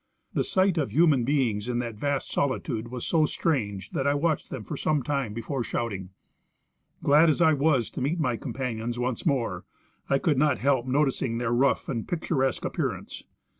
The sight of human beings in that vast solitude was so strange that I watched them for some time before shouting. Glad as I was to meet my com panions once more, I could not help noticing their rough and picturesque appearance.